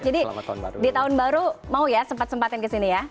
jadi di tahun baru mau ya sempat sempatin ke sini ya